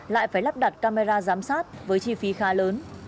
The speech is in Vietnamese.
lại phải lắp đặt camera giám sát với chi phí khá lớn